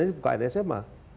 ini bukain sma